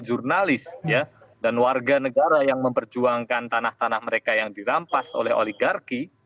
jurnalis dan warga negara yang memperjuangkan tanah tanah mereka yang dirampas oleh oligarki